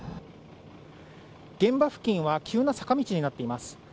現場付近は急な坂道になっています。